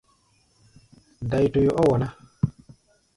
Dai-toyó ɔ́ wɔ ná.